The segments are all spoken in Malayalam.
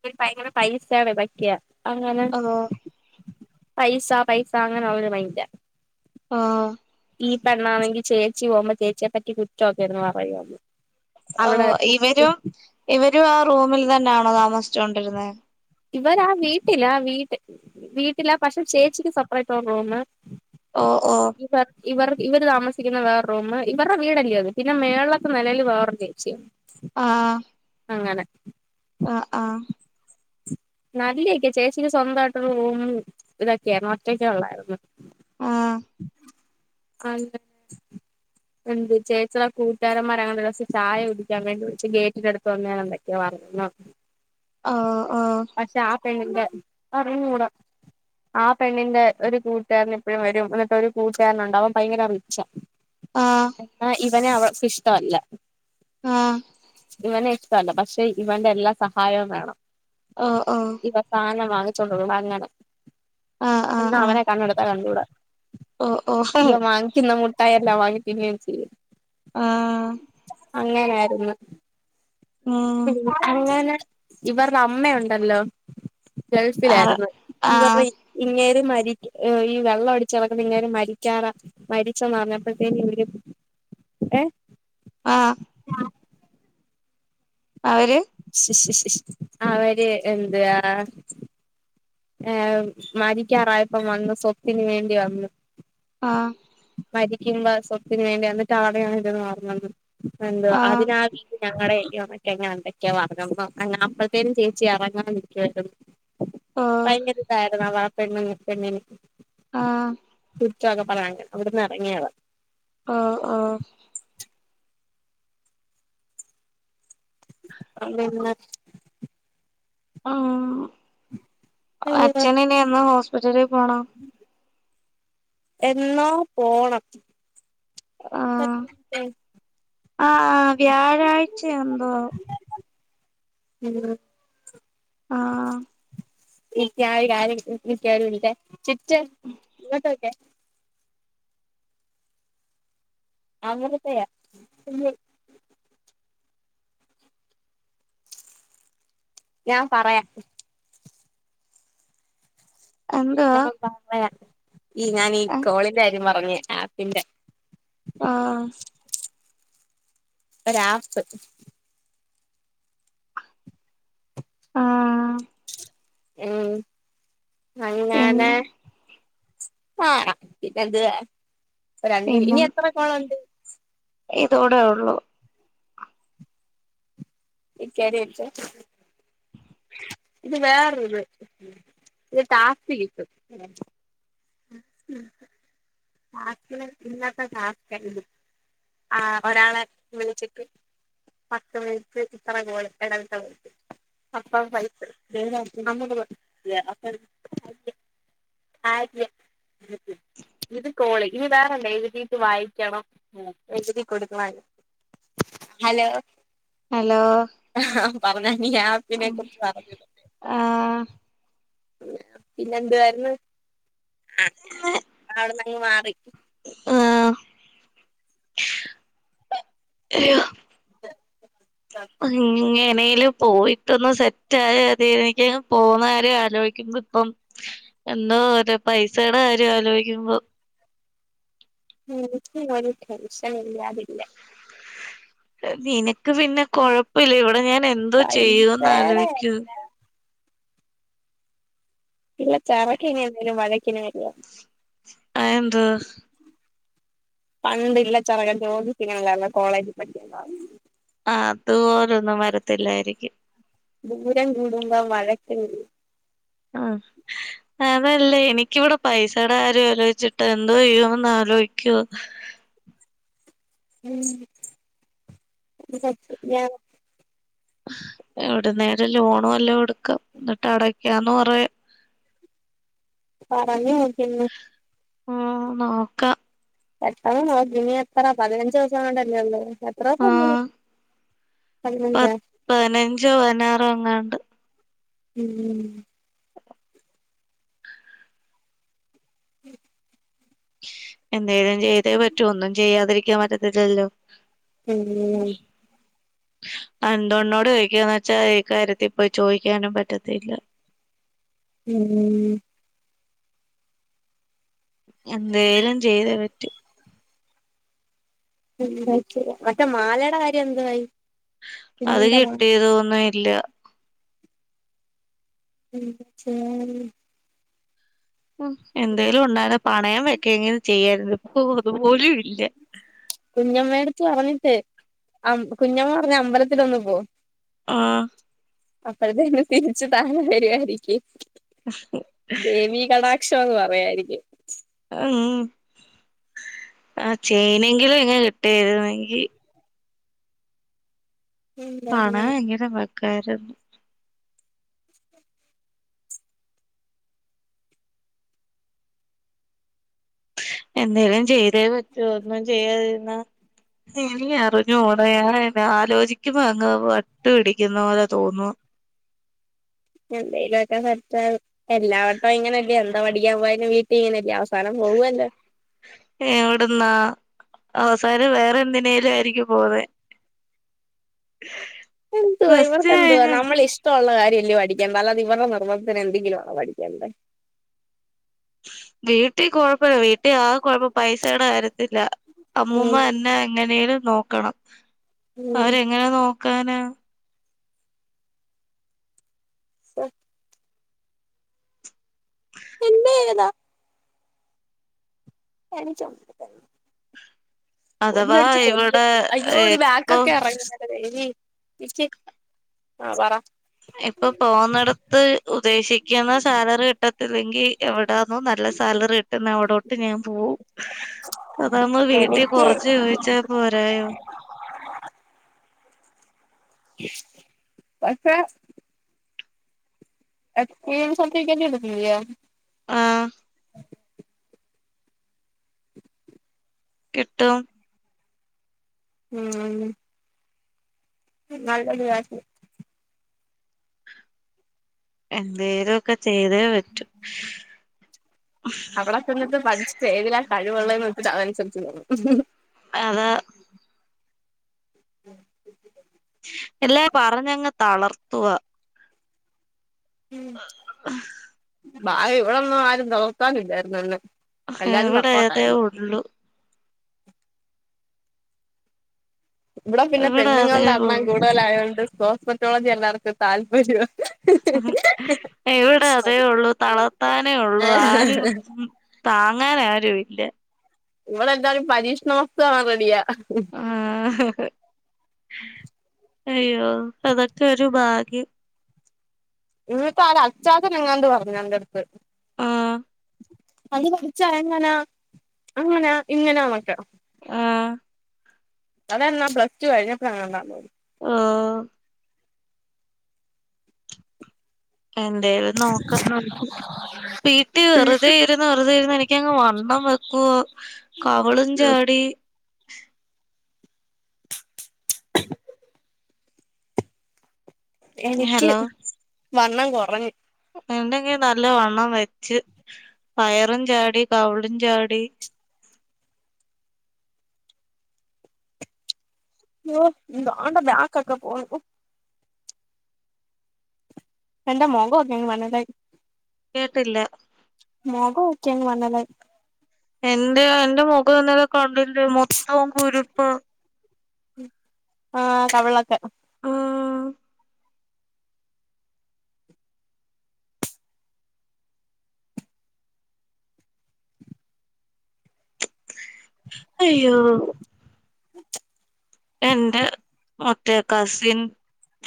പിന്നെ ഭയങ്കര പൈസാണ് ബക്കിയ അങ്ങനെ ആഹ് പൈസ പൈസ അങ്ങനെ ഒര് മൈൻഡാ ആഹ് ഈ പെണ്ണാണെങ്കിൽ ചേച്ചി പോകുമ്പോൾ ചേച്ചിയെപ്പറ്റി കുറ്റൊക്കെയിരുന്നു പറയാ അവിടെ ആഹ് ഇവരും [unintelligible] ഇവരും ആ റൂമിൽ തന്നെയാണോ താമസിച്ചു കൊണ്ടിരുന്നേ ഇവരാ വീട്ടിലാ വീട്ട വീട്ടിലാ പക്ഷെ ചേച്ചിക്ക് സപ്പറേറ്റൊര് റൂമ് ഓഹ് ഓഹ് ഇവ ഇവർ ഇവര് താമസിക്കുന്ന വേറെ റൂം ഇവരുടെ വീടല്ലേ അത് പിന്നെ മേളലത്തെ നിലയിൽ വേറൊരു ചേച്ചിയ ആഹ് അങ്ങനെ ആഹ് ആഹ് നല്ലൊക്കെയ ചേച്ചിക്ക് സ്വന്തമായിട്ടൊര് റൂമും ഇതൊക്കെയായിരുന്നു ഒറ്റക്കെള്ളായിരുന്നു. ആഹ് അ [unintelligible] എന്ത് ചേചിടെ കൂട്ടാരന്മാരങ്ങാണ്ടൊര്സം ചായ കുടിക്കാൻ വേണ്ടി വിളിച്ച് ഗേറ്റിന്റെ അടുത്ത് വന്ന് എന്തൊക്കയോപറഞ്ഞ് ആഹ് ആഹ് പക്ഷെ ആ പെണ്ണിന്റെ അവര് മൂഢ ആ പെണ്ണിന്റെ ഒരു കൂട്ടുകാരൻ എപ്പഴും വരും എന്നിട്ട് ഒരു കൂട്ടുകാരനൊണ്ടവൻ ഭയങ്കര റിച്ചാ ആഹ് എന്നാ ഇവനെ അവൾക്ക് ഇഷ്ടല്ല. ആഹ് ഇവനെ ഇഷ്ടല്ല പക്ഷെ ഇവന്റെ എല്ലാ സഹായവും വേണം. ആഹ് ആഹ് ഇവൻ സാധനം വാങ്ങിച്ചോണ്ടൂ വരണം അങ്ങനെ ആഹ് ആഹ് എന്നിട്ട് ആഹ് അവനെ കണ്ണെടുത്താ കണ്ടൂടാ. ഓ ഓ ഇവൻ വാങ്ങിക്ക്ന്ന മുട്ടായി എല്ലാം വാങ്ങി തിന്നേം ചെയ്യും. ആഹ് അങ്ങനാര്ന്ന് ഉം [unintelligible] ഇങ്ങനെ ഇവര്ടെ അമ്മയൊ ണ്ടല്ലോ ആറ് ഗൾഫിലായിര്ന്ന് ആഹ് ഇവര്ടെയി ഇങ്ങേര് മരിക്ക് ഈ വെള്ളം അടിച്ച് കെടക്കുന്ന ഇങ്ങേര് മരിക്കാറാ മരിച്ചെന്നറിഞ്ഞപ്പത്തേനും ഇവര് ഏഹ് ആഹ് അവര് അവര് എന്തുവാ? ഏഹ് മരിക്കാറായപ്പം വന്ന് സ്വത്തിന് വേണ്ടി വന്ന്. ആഹ് മരിക്കുമ്പോ സ്വത്തിന് വേണ്ടി അന്നിട്ട് [unintelligible] എന്തുവാ ആഹ് അതിനാ വീട് ഞങ്ങളടെ അല്ലയോ മറ്റോ അങ്ങനെ എന്തൊക്കെയോ പറഞ്ഞെന്നോ അങ്ങ് അപ്പത്തേനും ചേച്ചി എറങ്ങാൻ നിക്കുവാര് ഓ ഭയങ്കര ഇതായിരുന്നു [unintelligible] പെണ്ണിന് ആഹ് ഉം [unintelligible] അവിടുന്ന് എറങ്ങിയതാ ആഹ് ആഹ് അന്ന് പിന്നെ ആഹ് അയ്യോ അച്ഛന് ഇനി എന്ന് ഹോസ്പ്പിറ്റലി പോണം? എന്നോ പോണം. ആഹ് [unintelligible] ആഹ് വ്യാഴാഴ്ച്ചയാന്തോ? [unintelligible] ആഹ് [unintelligible] [unintelligible] ഞാൻ പറയാം എന്തുവാ ഞാൻ പറയാം ഈ ഞാൻ ഈ ആഹ് കോളിന്റെ കാര്യം പറഞ്ഞ് ആപ്പിന്റെ ആഹ് ഒരാപ്പ് ആഹ് ഉം അങ്ങനെ പിന്നെ ആഹ് പിന്നെന്ത് രണ്ട് പിന്നെ ഇനി എത്ര കോള്ണ്ട്? ഇതോടെ ഒള്ളൂ. [unintelligible] ഇത് വേറൊരിത് [unintelligible] ടാസ്ക്ക് കിട്ടും. [inaudible] ടാസ്ക്കിന് ഇന്നത്തെ ടാസ്ക്കാ ഇത് ആഹ് ഒരാളെ വിളിച്ചിട്ട് പത്ത് മിനിറ്റ് ഇത്ര കോള് എടവിട്ട് എടവിട്ട് [unintelligible] [unintelligible] ഇത് കോള് ഇനി വേറെണ്ട് എഴുതീട്ട് വായിക്കണം എഴുതി കൊടുക്കണം അതിന് ഹലോ ഹലോ പറഞ്ഞോ ഇനി [unintelligible] അം ആഹ് പിന്നെ എന്തുവാരുന്നു അങ്ങനെ അവിടന്നങ്ങ് മാറി. ആഹ് ഒന്ന് ഇങ്ങനേല് പോയിട്ടൊന്ന് സെ റ്റായാ മതി എനിക്കങ്ങ് പോവുന്ന കാര്യം ആലോചിക്കുമ്പോ ഇപ്പം എന്തോ ഒരു പൈസയുടെ കാര്യം ആലോയിക്കുമ്പോ എനിക്കും ഒരു ടെൻഷൻ ഇല്ലാതില്ല നിനക്ക് പിന്നെ കൊഴപ്പില്ല ഇവിടെ ഞാൻ എന്തോ ചെയ്യൂന്ന് പൈസേടെ ആലോയിക്കാ ഇല്ല ചറക്കിനി എന്തേലും വഴക്കിന് വരില്ലാ അയെന്തെ പണ്ടില്ല ചെറകൻ ജോലി ചെയ്യണല്ലോ കോളേജ് പഠിക്കുബോ അതുപോലൊന്നും വരത്തില്ലായിരിക്കും ദൂരം കൂടുമ്പം വഴക്ക് കൂടും ആഹ് അതല്ലേ എനിക്കിവിടെ പൈസേടെ കാര്യം ആലോയിച്ചിട്ടാ എന്തോ ചെയ്യോന്ന് ആലോയിക്കുവ ഉം [unintelligible] എവിടന്നേലും ലോണ് വെല്ലോ എടുക്ക എന്നിട്ട് അടക്കാന്ന് പറയാ പറഞ്ഞ് നോക്കിയേ ഒന്ന് ഉം നോക്കാ പെട്ടെന്ന് നോക്ക് ഇനി എത്ര പതിനഞ്ച് ദിവസം കൊണ്ടല്ലേ ഉള്ളു എത്ര ദിവസം ഉണ്ട് ഇനി ആഹ് പതിനഞ്ചൊ പത്ത് പതിനഞ്ചോ പതിനാറോ എങ്ങാണ്ട് ഉം ഉം ഉം എന്തേലും ചെയ്തേ പറ്റോ ഒന്നും ചെയ്യാതിരിക്കാൻ പറ്റത്തില്ലല്ലോ ഉം അന്തൊനോട് ചോയ്ക്കാന്ന് വെച്ചാ ഈ കാര്യത്തി ഇപ്പ ചോയിക്കാനും പറ്റത്തില്ല. ഉം എന്തേലും ചെയ്തെ പറ്റൂ എന്താ ചെയ്യ മറ്റേ മാലയുടെ കാര്യം എന്തൊ ആയി അത് കിട്ടിയതോന്നും ഇല്ല [unintelligible] ഉം എന്തേലും ഉണ്ടായ്ര്ന്നെ പണയം വെക്കെങ്കിലും ചെയ്യാരുന്നു ഇപ്പം അതുപോലും ഇല്ല കുഞ്ഞമ്മേടത്ത് പറഞ്ഞിട്ടേ കുഞ്ഞമ്മ പറഞ്ഞ് അമ്പലത്തിലൊന്നു പോ ആഹ് അപ്പഴത്തേന്ന് തിരിച്ചു തരുവരായിരിക്കും ദേവി കഠാ ക്ഷം എന്ന് പറയായിരിക്കും ഉം ആ ചെയ്നെങ്കിലും ഇങ്ങെ കിട്ടിയാരുന്നെങ്കിൽ പണയെങ്കിലും വെക്കായിരുന്നു എന്തേലും ചെയ്തേ പറ്റൂ ഒന്നും ചെയ്യാതിരുന്നാ എനിക്ക് അറിഞ്ഞു കൂട ഞാൻ ഇങ്ങനെ ആലോചിക്കുമ്പോ അങ്ങ് വട്ടു പിടിക്കുന്ന പോലെ തോന്നുവാ എന്തേലു ഒക്കെ സെറ്റാവ് എല്ലാ വട്ടം ഇങ്ങനെല്ലേ എന്താ പഠിക്കാൻ പോയാരും വീ ട്ടി ഇങ്ങനെ അല്ലെ അവസാനം പോവല്ലെ ഏഹ് അവിടുന്നാ അവസാനം വേറെ എന്തിനേലും ആയിരിക്കും പോകുന്നെ ഉ എന്ത് ഇവർക്ക് എന്ത് വാ നമ്മളെ ഇഷ് ഇഷമുള്ള കാര്യല്ലേ പഠിക്കണ്ടത് അല്ലാെ ഇരുടെ നിർബന്ത്തിന് എന്തെില ആണോ പിക്കേണ്ടത് വീട്ടിൽ കുഴപ്പമില്ല വീട്ടിൽ ആകെ കുഴപ്പം പൈസേയുടെ കാര്യത്തിലാ അമ്മൂമ്മ എന്നെ എങ്ങനേലും നോക്കണം അവരെങ്ങനെ നോക്കാനാ സത് [unintelligible] [unintelligible] [unintelligible] കൊതു അഥവാ കടിച്ച് ഇവിടെ കൊല്ല്ന്ന് അയ്യോ ഇത് ബാക്ക് ഇപ്പൊ ഒക്കെ എറങ്ങുന്നെന്റെ ദേവി ഇച്ചി ആഹ് പറ ഇപ്പൊ പോകുന്നിടത്ത് ഉദ്ദേശിക്കുന്ന സാലറി കിട്ട- ഇല്ലെങ്കി എവിടാന്നോ നല്ല സാലറി കിട്ടുന്ന അവിടോട്ട് ഞാൻ പോവും അതാകുമ്പോൾ വീട്ടി എനിക്ക് കൊറച്ച് ചോദിച്ചാ പോരായോ [unintelligible] പക്ഷെ [unintelligible] സർട്ടിഫിക്കറ്റ് എടുത്തില്ലെയോ ആഹ് കിട്ടും ഉം [unintelligible] നല്ലൊരു കാര്യം എന്തേലുംക്കെ ചെയ്തേ പറ്റൂ അവിടെ ചെന്നിട്ട് പഠിച്ചിട്ട് ഏതിലാ കഴിവുള്ളേന്ന് വെച്ചിട്ട് അതനുസരിച്ച് നോക്കും അതാ ഇല്ലേ പറഞ്ഞങ്ങ് തളർത്തുവാ ആഹ് ഭാഗ്യം ഇവിടന്നും ആരും തളർത്താനില്ലാരുന്ന് അന്ന് എല്ലാരും ഇവിടെ അതേ സപ്പോർട്ടായിരുന്നു ഉള്ളു ഇവിട പിന്നെ ഇവിടെ അതേ പെണ്ണുങ്ങളുടെ എണ്ണം ഉള്ളു കൂടുതലായോണ്ട് സപ്പോർട്ട് മറ്റോളജി എല്ലാവർക്കും താല്പര്യവാ ഇവിടെ അതേ ഉള്ളൂ തളർത്താനേ ഉള്ളൂ ആരും താങ്ങാൻ ആരും ഇല്ല ഇവിടെ എല്ലാരും പരീക്ഷണ വസ്തു ആവാൻ റെഡിയാ ആഹ് അയ്യോ അതൊക്കെ ഒരു ഭാഗ്യം ന്നിപ്പൊ അത് അച്ചാത നെങ്ങാണ്ട് പറഞ്ഞു ന്റെ അടുത്ത് ആഹ് അത് പഠിച്ചാ എങ്ങനാ അങ്ങനാ ഇങ്ങനാ ന്നൊക്ക ആഹ് അതെന്നാ പ്ല്ടു കഴിഞ്ഞപ്പൊഴാ ങ്ങാണ്ടാ ആഹ് എന്തേലും നോക്കാം വീട്ടിൽ വെറുതെ ഇരു- ന്ന് വെറുതേയിരുന്ന് എനിക്കങ്ങ് വണ്ണം വെക്കോ കവിളും ചാടി [inaudible] എനിക്ക് ഹലോ വണ്ണം കൊറഞ്ഞ് എന്റെക്കെ നല്ല വണ്ണം വെച്ച് വ യറും ചാടി കവിളും ചാടി ഓഹ് ദാണ്ടെ ബാക്ക് ഒക്കെ പോണ് എന്റെ മൊഖവൊക്കെ അങ്ങ് വല്ലാണ്ടായി കേട്ടില്ല മൊഖവൊക്കെ അങ്ങ് വല്ലാണ്ടായി എന്റെ എന്റെ മുഖംന്നല കണ്ടില്ലെ മൊത്തവും കുരുപ്പ് ആഹ് കവിളൊക്കെ ആഹ് അയ്യോ എന്റെ മറ്റേ കസിൻ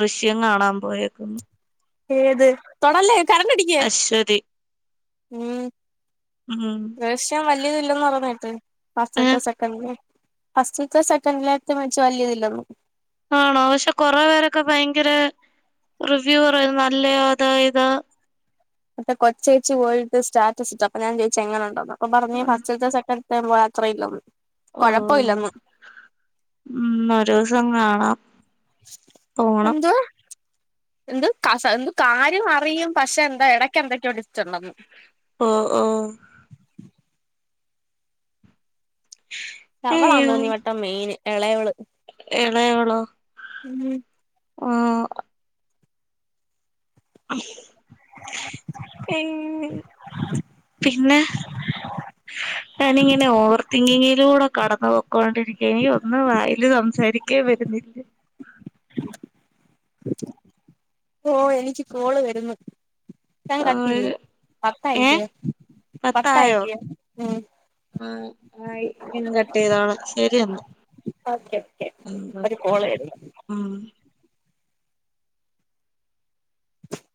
ദൃശ്യം കാണാൻ പോയപ്പം ഏത് തൊടല്ലേ കരണ്ടടി അശ്വതി ഉം ഉം ദൃശ്യം വല്ല്യ തില്ലന്ന് പറേണേട്ട് ഏഹ് ഫസ്റ്റത്തെ സെക്കൻഡില ഫസ്റ്റ്ത്തെ സെക്കൻിലത്തെ മച്ച് വല്ല്യതില്ലന്നു ആണോ പക്ഷെ കൊറേ പേരൊക്കെ ഭയങ്കര റിവ്യൂ പറയ നല്ലാ അത് ഇത് കൊച്ചേച്ച് പോയിട്ട് സ്റ്റാറ്റസ്ട്ട് അപ്പ ഞാൻ ചോയിച്ചെങ്ങനെണ്ടെന്ന് അപ്പ പറഞ് ഫസ്റ്റത്തെ സെക്കൻ് അത്രയില്ലന്ന് ഉം ഉം ഒരൂസം കാണാം പോണം എന്ത് എന്ത് എന്ത് കാര്യം അറിയും പക്ഷെ എന്താ എട ക്കെന്തൊക്കെയോ ട്വിസ്റ്റണ്ടെന്ന് ഉം ഉം വളാ അയ്യോ തോന്നി ട്ടെന്ന് മെയിന് എളയവള് എളയവളോ ഉം ഉം പിന്നെ ഞാനിങ്ങനെ ഓവർ തിങ്കിങ്ങിലൂടെ കടന്നു പൊക്കോണ്ടിരിക്ക എനിക്കൊന്നും വായില് സംസാരിക്കാ വരുന്നില്ല ഓഹ് എനിക്ക് കോള് വരുന്നു ഞാൻ കട്ടിയ്യ ആഹ് ഏഹ് പത്തായില്ലേ പത്തായില്ലേ ഉം ഉം ആയി ഞാൻ കട്ടെയ്തോളാം ശരിയെന്ന ഓക്കെയോക്കെ ഒരു കോള് വരുന്നു ഉം